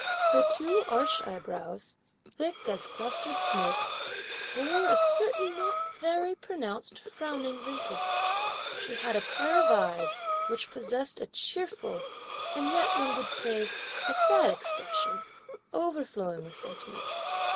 Her two arched eyebrows, thick as clustered smoke, bore a certain not very pronounced frowning wrinkle. She had a pair of eyes, which possessed a cheerful, and yet one would say, a sad expression, overflowing with sentiment.